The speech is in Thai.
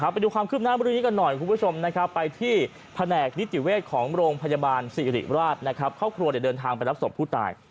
ไปดูความคืบหน้าวันนี้กันหน่อยคุณผู้ชมไปที่แผนกนิติเวทของโรงพยาบาลสิริราชเขากลัวเดินทางไปรับศพผู้ตาย